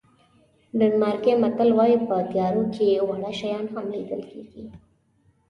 ډنمارکي متل وایي په تیارو کې واړه شیان هم لیدل کېږي.